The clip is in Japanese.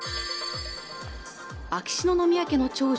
秋篠宮家の長女